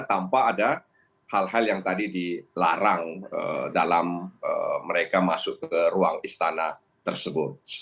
tanpa ada hal hal yang tadi dilarang dalam mereka masuk ke ruang istana tersebut